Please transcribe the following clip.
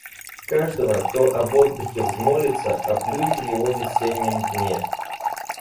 Каждого, кто об отдыхе взмолится, оплюй в его весеннем дне!